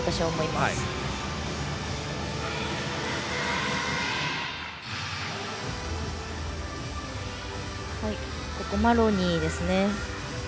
まずマロニーですね。